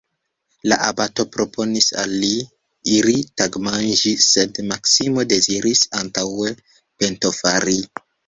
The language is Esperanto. La abato proponis al li iri tagmanĝi, sed Maksimo deziris antaŭe pentofari.